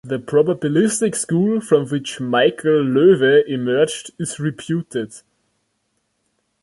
The probabilistic school from which Michel Loève emerged is reputed.